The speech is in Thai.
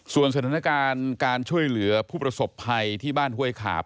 ส่วนสถานการณ์การช่วยเหลือผู้ประสบภัยที่บ้านห้วยขาบ